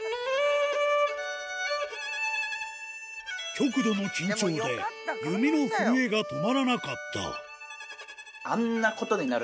極度の緊張で弓の震えが止まらなかった